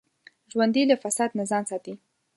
ژوندي له فساد نه ځان ساتي